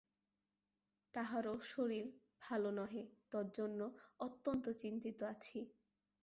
তাঁহারও শরীর ভাল নহে, তজ্জন্য অত্যন্ত চিন্তিত আছি।